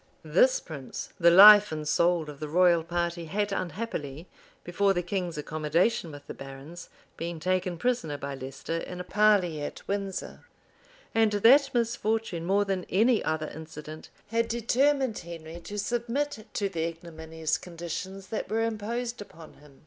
This prince, the life and soul of the royal party, had unhappily, before the king's accommodation with the barons, been taken prisoner by Leicester in a parley at Windsor;[*] and that misfortune, more than any other incident, had determined Henry to submit to the ignominious conditions imposed upon him.